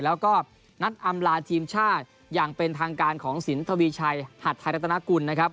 แล้วก็นัดอำลาทีมชาติอย่างเป็นทางการของสินทวีชัยหัดไทยรัฐนากุลนะครับ